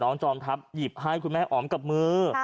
จอมทัพหยิบให้คุณแม่อ๋อมกับมือ